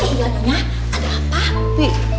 ianya ada apa